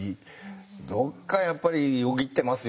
どっかやっぱりよぎってますよ